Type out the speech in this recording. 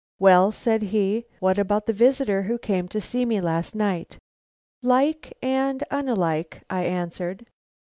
"Well," said he, "what about the visitor who came to see me last night?" "Like and unlike," I answered.